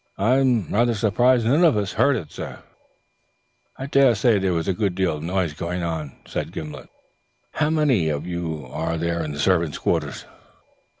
I'm rather surprised none of us heard it, sir." "I daresay there was a good deal of noise going on," said Gimblet. "How many of you are there in the servants' quarters?"